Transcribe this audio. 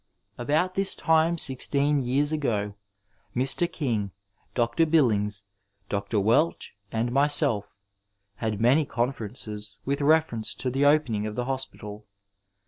About this time sixteen years ago Mr. Eang, Dr. Billings, Dr. Welch and myself had many conferences with reference to the opening of the hospital.